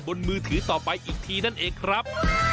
มือถือต่อไปอีกทีนั่นเองครับ